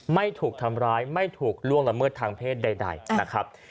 ไม่ถูกทำร้ายไม่ถูกล่วงละเมิดทางเพศใดนะครับ